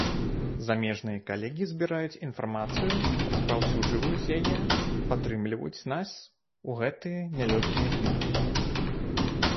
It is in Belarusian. Замежныя калегі збіраюць інфармацыю, распаўсюджваюць яе, падтрымліваюць нас у гэтыя нялёгкія дні.